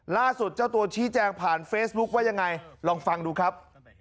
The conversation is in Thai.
เจ้าตัวชี้แจงผ่านเฟซบุ๊คว่ายังไงลองฟังดูครับ